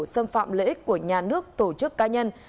xâm phạm lợi ích của nhà nước tổ chức cá nhân